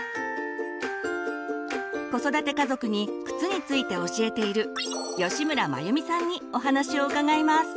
子育て家族に靴について教えている吉村眞由美さんにお話を伺います。